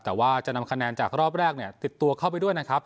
แต่ว่าจะนำคะแนนจากรอบแรกเนี่ยติดตัวเข้าไปด้วยนะครับ